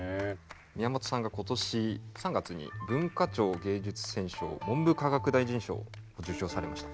宮本さんが今年３月に文化庁芸術選奨文部科学大臣賞を受賞されました。